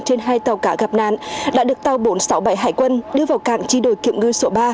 trên hai tàu cá gặp nạn đã được tàu bốn trăm sáu mươi bảy hải quân đưa vào cảng chi đổi kiệm ngư sổ ba